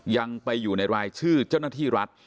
ยังไปอยู่ในรายชื่อเจ้าหน้าที่รัฐ